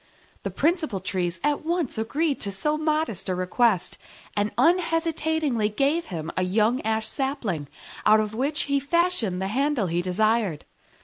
The principal Trees at once agreed to so modest a request, and unhesitatingly gave him a young ash sapling, out of which he fashioned the handle he desired.